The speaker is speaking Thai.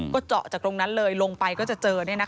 ก็เจาะจากตรงนั้นเลยลงไปก็จะเจอ